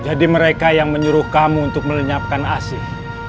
jadi mereka yang menyuruh kamu untuk melenyapkan asih